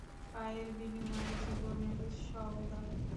পায়ের বিনিময়ে জীবনের সওদা।